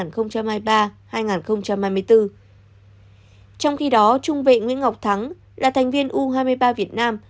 trong khi đó trung vệ nguyễn ngọc thắng là thành viên u hai mươi ba việt nam